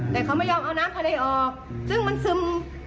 แต่เขาไม่ยอมเอาน้ำทะเลออกซึ่งมันซึม